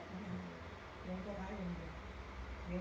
นำอาบร้านเอง